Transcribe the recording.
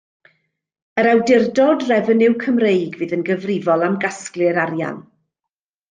Yr Awdurdod Refeniw Cymreig fydd yn gyfrifol am gasglu'r arian.